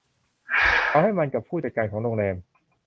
เขาให้มันกับผู้จัดการของโรงแรม